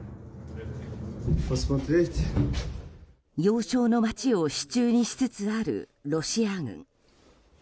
要衝の街を手中にしつつあるロシア軍。